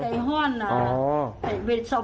ทางนี้ก็ใจห้อนน่ะ